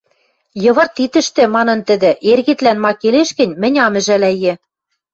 — Йывырт ит ӹштӹ, — манын тӹдӹ, — эргетлӓн ма келеш гӹнь, мӹнь ам ӹжӓлӓйӹ...